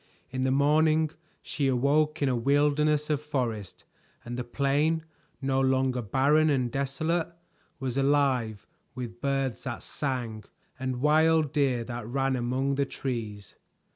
In the morning she awoke in a wilderness of forest, and the plain, no longer barren and desolate, was alive with birds that sang, and wild deer that ran among the trees.